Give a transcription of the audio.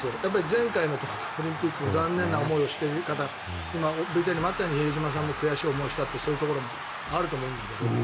前回のオリンピック残念な思いをした方今、ＶＴＲにもあったように比江島さんも悔しい思いをしたってそういうところもあると思うんだけど。